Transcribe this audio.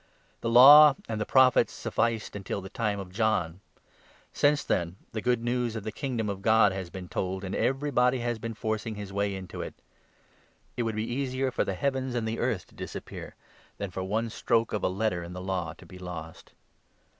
The Law and the Prophets sufficed until 16 the time of John. Since then the Good News of the Kingdom of God has been told, and everybody has been forcing his way into it. It would be easier for the heavens and the 17 earth to disappear than for one stroke of a letter in the Law to be lost.